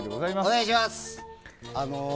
お願いします。